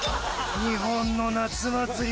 日本の夏祭り